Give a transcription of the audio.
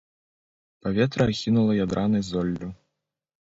Паветра ахінула ядранай золлю.